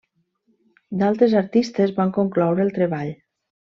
D'altres artistes van concloure el treball.